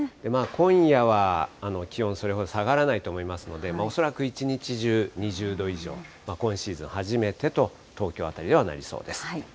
今夜は気温、それほど下がらないと思いますので、恐らく一日中２０度以上、今シーズン初めてと、東京辺りではなりそうです。